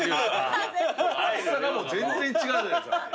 厚さがもう全然違うじゃないですか。